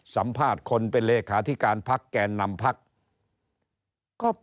สัมภาษณ์คนเป็นเลขาธิการพักแก่นำพักก็